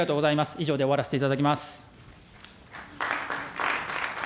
以上で終わらさせていただきます。